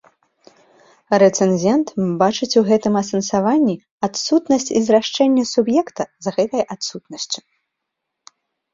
Рэцэнзент бачыць у гэтым асэнсаванні адсутнасць і зрашчэнне суб'екта з гэтай адсутнасцю.